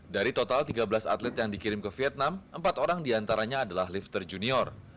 dari total tiga belas atlet yang dikirim ke vietnam empat orang diantaranya adalah lifter junior